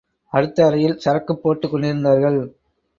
அடுத்த அறையில் சரக்குப் போட்டுக்கொண்டிருந்தார்கள்.